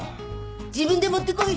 自分で持って来い！